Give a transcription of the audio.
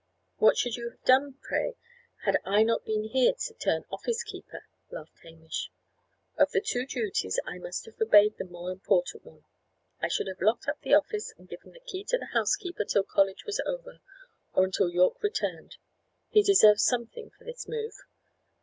"What should you have done, pray, had I not been here to turn office keeper?" laughed Hamish. "Of the two duties I must have obeyed the more important one. I should have locked up the office and given the key to the housekeeper till college was over, or until Yorke returned. He deserves something for this move.